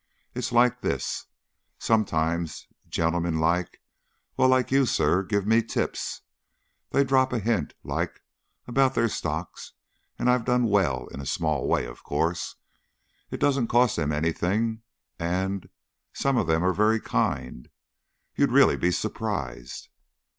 It's like this: sometimes gentlemen like well, like you, sir give me tips. They drop a hint, like, about their stocks, and I've done well in a small way, of course. It doesn't cost them anything and some of them are very kind. You'd really be surprised."